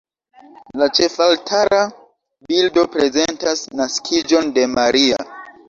La ĉefaltara bildo prezentas Naskiĝon de Maria.